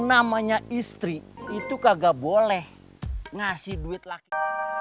namanya istri itu kagak boleh ngasih duit lagi